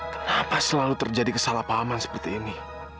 kenapa selalu terjadi kesalahpahaman seperti ini